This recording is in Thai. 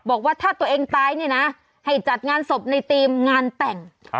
บอกว่าถ้าตัวเองตายเนี่ยนะให้จัดงานศพในธีมงานแต่ง